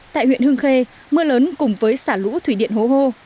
tại huyện hương khê mưa lớn cùng với xả lũ thủy điện hố hô